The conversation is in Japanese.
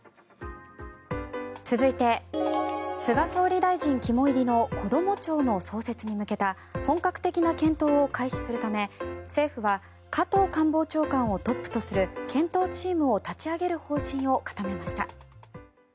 続いて菅総理大臣肝煎りのこども庁の創設に向けた本格的な検討を開始するため政府は加藤官房長官をトップとする検討チームを立ち上げる方針を固めました。